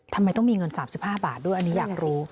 ทำไมต้องมีเงิน๓๕บาทด้วยอันนี้อยากรู้